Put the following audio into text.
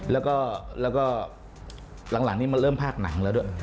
และก็หลังมันเริ่มภาคหนังและด้วย